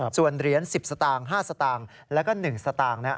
ส่วนเหรียญสิบสตางค์ห้าสตางค์และก็หนึ่งสตางค์นะ